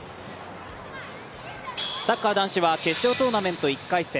サッカー男子は決勝トーナメント１回戦。